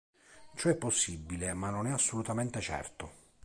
Ciò è possibile, ma non è assolutamente certo.